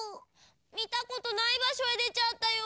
みたことないばしょへでちゃったよ。